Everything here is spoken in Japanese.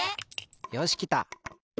よしきた。